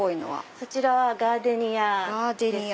そちらはガーデニアです。